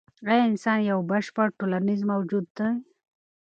ایا انسان یو بشپړ ټولنیز موجود دی؟